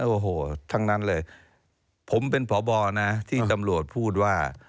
โอ้โหทั้งนั้นเลยผมเป็นพบนะที่ตำรวจพูดว่า